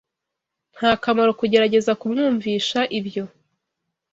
Nta kamaro kugerageza kumwumvisha ibyo.